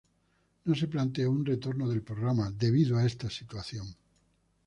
No se planteó un retorno del programa, debido a esta situación.